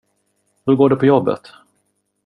Hur går det på jobbet?